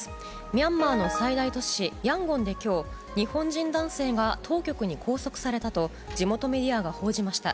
ミャンマーの最大都市ヤンゴンできょう、日本人男性が当局に拘束されたと、地元メディアが報じました。